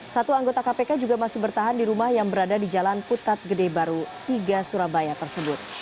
satu anggota kpk juga masih bertahan di rumah yang berada di jalan putat gede baru tiga surabaya tersebut